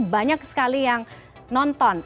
banyak sekali yang nonton